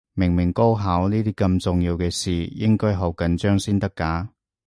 明明高考呢啲咁重要嘅事，應該好緊張先得㗎